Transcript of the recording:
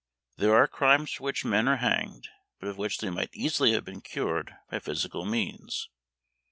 There are crimes for which men are hanged, but of which they might easily have been cured by physical means.